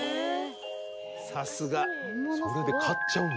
さすが。それで買っちゃうんだ。